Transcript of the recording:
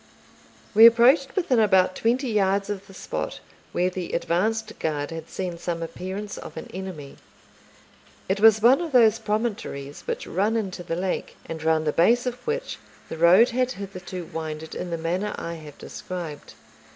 We approached within about twenty yards of the spot where the advanced guard had seen some appearance of an enemy. It was one of those promontories which run into the lake, and round the base of which the road had hitherto winded in the manner I have described.